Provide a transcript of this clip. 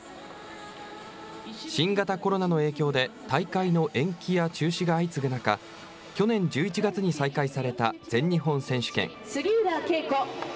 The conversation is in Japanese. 新型コロナの影響で大会の延期や中止が相次ぐ中、去年１１月に再開された全日本選手権。